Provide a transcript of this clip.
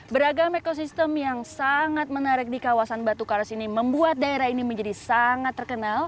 bicara soal kabupaten pangandaran